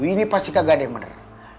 ini pasti kagak deh bener